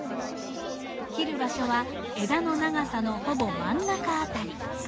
切る場所は枝の長さのほぼ真ん中辺り。